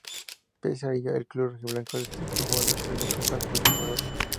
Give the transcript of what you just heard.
Pese a ello, el club rojiblanco desestimó la opción de compra sobre el jugador.